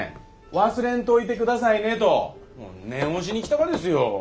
忘れんといてくださいねと念押しに来たがですよ。